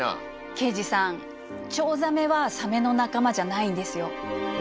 刑事さんチョウザメはサメの仲間じゃないんですよ。